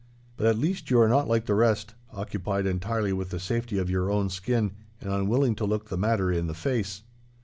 But at least you are not like the rest, occupied entirely with the safety of your own skin, and unwilling to look the matter in the face.